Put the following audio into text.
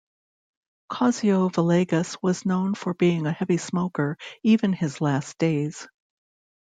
Cosio Villegas was known for being a heavy smoker, even his last days.